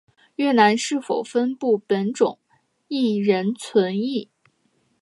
越南是否分布本种亦仍存疑。